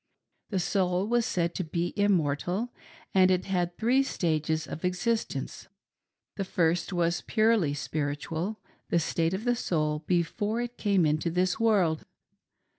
The soul was said to be immortal, and it had three stages of existence. The first was purely spiritual — the state of the soul before it came into this world.